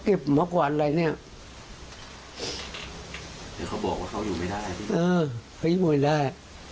เขานั้นว่าไง